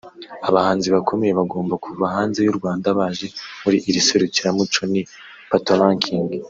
Abahanzi bakomeye bagomba kuva hanze y'u Rwanda baje muri iri serukiramuco ni ‘Patoranking